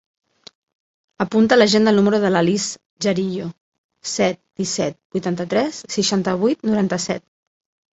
Apunta a l'agenda el número de l'Alice Jarillo: set, disset, vuitanta-tres, seixanta-vuit, noranta-set.